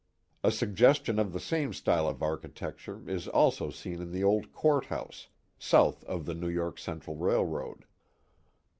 A suggestion of the same style of architecture is also seen in the old court house, south of the New York Central Railroad.